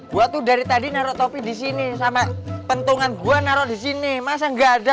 gue tuh dari tadi naro topi di sini sama pentungan gua naro di sini masa enggak ada